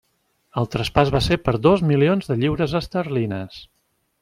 El traspàs va ser per dos milions de lliures esterlines.